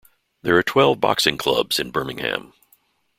There are twelve boxing clubs in Birmingham.